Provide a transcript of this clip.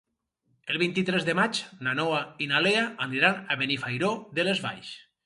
El vint-i-tres de maig na Noa i na Lea aniran a Benifairó de les Valls.